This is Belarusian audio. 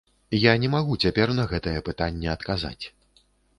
Я не магу цяпер на гэтае пытанне адказаць.